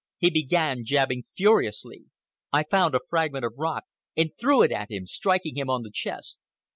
He began jabbing furiously. I found a fragment of rock and threw it at him, striking him on the chest.